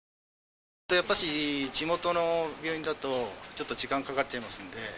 やっぱ地元の病院だとちょっと時間かかっちゃいますんで。